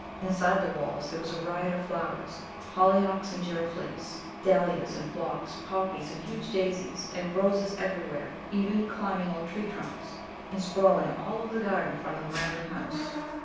Inside the walls there was a riot of flowers hollyhocks and giroflées, dahlias and phlox, poppies and huge daisies, and roses everywhere, even climbing old tree trunks, and sprawling all over the garden front of the rambling house.